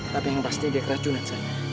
tapi yang pasti dia keracunan san